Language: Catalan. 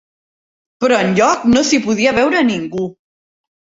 Però enlloc no s'hi podia veure ningú.